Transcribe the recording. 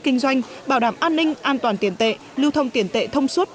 kinh doanh bảo đảm an ninh an toàn tiền tệ lưu thông tiền tệ thông suốt